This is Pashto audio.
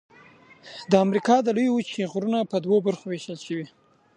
د امریکا د لویې وچې غرونه په دوو برخو ویشل شوي.